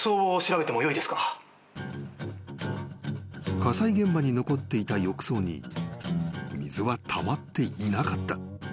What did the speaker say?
［火災現場に残っていた浴槽に水はたまっていなかった］